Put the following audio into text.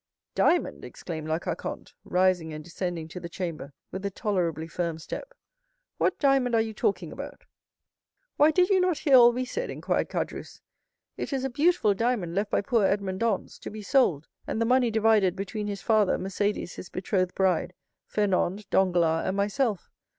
"Diamond!" exclaimed La Carconte, rising and descending to the chamber with a tolerably firm step; "what diamond are you talking about?" "Why, did you not hear all we said?" inquired Caderousse. "It is a beautiful diamond left by poor Edmond Dantès, to be sold, and the money divided between his father, Mercédès, his betrothed bride, Fernand, Danglars, and myself.